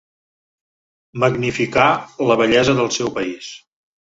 Magnificar la bellesa del seu país.